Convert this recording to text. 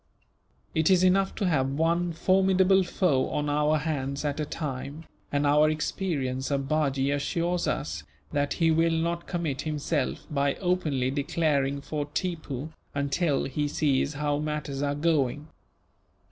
"It is enough to have one formidable foe on our hands at a time, and our experience of Bajee assures us that he will not commit himself, by openly declaring for Tippoo, until he sees how matters are going."